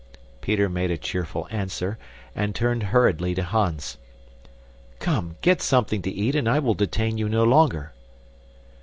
Peter made a cheerful answer, and turned hurriedly to Hans. "Come, get something to eat, and I will detain you no longer."